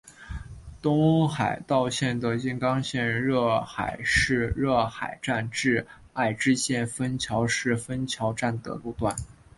东海道线的静冈县热海市热海站至爱知县丰桥市丰桥站的路段。